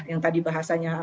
yang tadi bahasanya